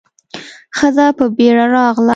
ښځه په بيړه راغله.